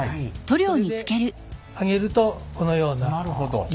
それで上げるとこのような。